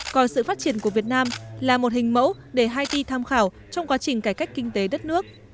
coi sự phát triển của việt nam là một hình mẫu để haiti tham khảo trong quá trình cải cách kinh tế đất nước